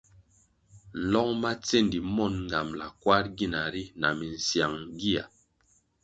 Nlong ma tsendi mon ngambʼla kwarʼ gina ri na minsyang gia.